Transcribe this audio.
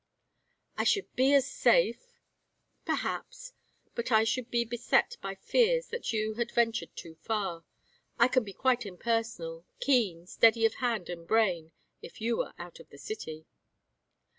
"I should be as safe." "Perhaps. But I should be beset by fears that you had ventured too far. I can be quite impersonal, keen, steady of hand and brain, if you are out of the city."